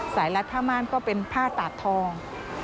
รัดผ้าม่านก็เป็นผ้าตาดทอง